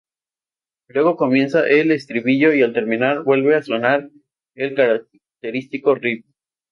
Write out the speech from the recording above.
Luego comienza el estribillo y al terminar, vuelve a sonar el característico riff.